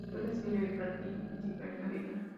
Suele ser el platillo principal en Navidad.